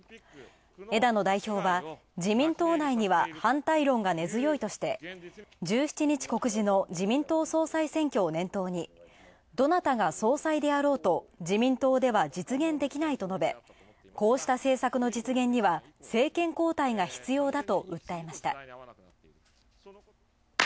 枝野代表は自民党内には反対論が根強いとして、１７日告示の自民党総裁選挙を念頭に、どなたが総裁であろうと自民党では実現できないと述べこうした政策の実現には政権交代が必要だと訴えました。